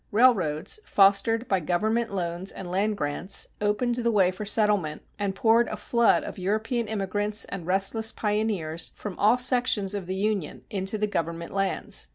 Railroads, fostered by government loans and land grants, opened the way for settlement and poured a flood of European immigrants and restless pioneers from all sections of the Union into the government lands.